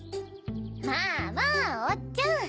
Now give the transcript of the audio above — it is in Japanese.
まぁまぁおっちゃん。